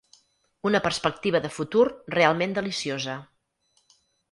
Una perspectiva de futur realment deliciosa.